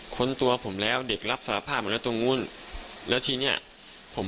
คนตัวผมแล้วเด็กรับสารภาพหมดแล้วตรงนู้นแล้วทีเนี้ยผม